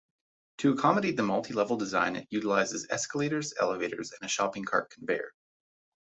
To accommodate the multi-level design it utilizes escalators, elevators and a shopping cart conveyor.